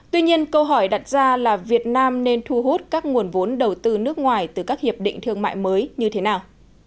tuy nhiên câu hỏi đặt ra là việt nam nên thu hút các nguồn vốn đầu tư nước ngoài từ các hiệp định thương mại mới như thế nào